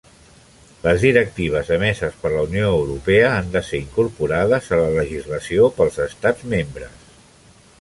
Les directives emeses per la Unió Europea han de ser incorporades a la legislació pels Estats Membres.